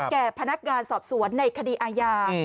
แก่พนักงานสอบสวนในคดีอาญา